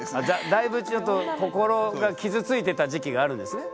だいぶちょっと心が傷ついてた時期があるんですね。